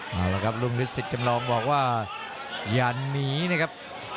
เอาละครับลุงฤทธิ์จำลองบอกว่าอย่าหนีนะครับ